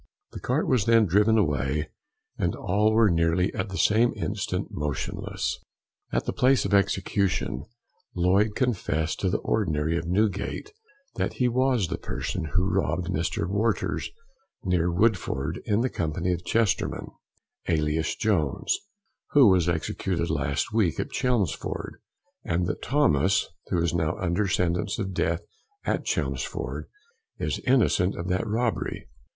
The cart was then driven away, and all were nearly at the same instant motionless. At the place of execution, Lloyd confessed to the Ordinary of Newgate, that he was the person who robbed Mr. Worters, near Woodford, in company with Chesterman, alias Jones, (who was executed last week at Chelmsford) and that Thomas (who is now under sentence of death at Chelmsford) is innocent of that robbery.